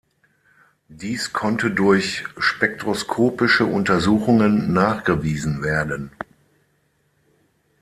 Dies konnte durch spektroskopische Untersuchungen nachgewiesen werden.